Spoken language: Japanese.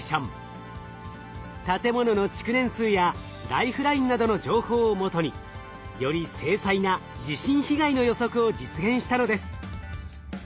建物の築年数やライフラインなどの情報を基により精細な地震被害の予測を実現したのです。